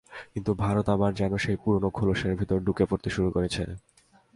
কিন্তু ভারত আবার যেন সেই পুরোনো খোলসের ভেতরে ঢুকে পড়তে শুরু করেছে।